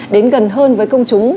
đến gần hơn với công chúng